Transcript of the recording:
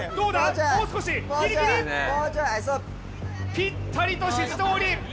ぴったりと指示どおり。